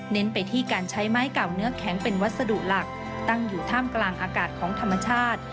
ไปที่การใช้ไม้เก่าเนื้อแข็งเป็นวัสดุหลักตั้งอยู่ท่ามกลางอากาศของธรรมชาติ